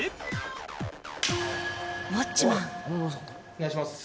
お願いします。